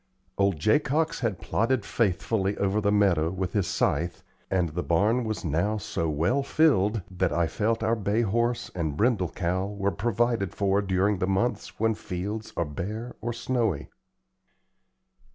Old Jacox had plodded faithfully over the meadow with his scythe, and the barn was now so well filled that I felt our bay horse and brindle cow were provided for during the months when fields are bare or snowy.